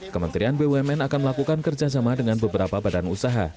kementerian bumn akan melakukan kerjasama dengan beberapa badan usaha